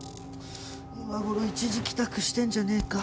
今頃一時帰宅してんじゃねえか。